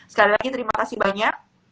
sekali lagi terima kasih banyak